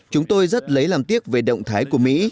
chúng tôi rất lấy làm tiếc về động thái của mỹ